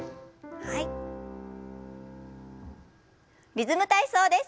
「リズム体操」です。